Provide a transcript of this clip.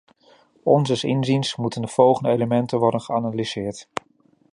Onzes inziens moeten de volgende elementen worden geanalyseerd.